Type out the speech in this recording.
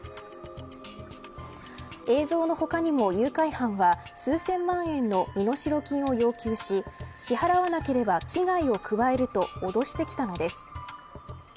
映像の他にも誘拐犯は数千万円の身代金を要求し支払わなければ危害を加えると脅してきたのです。